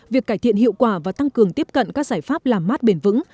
việc cải thiện hiệu quả và tăng cường tiếp cận các giải pháp làm mát bền vững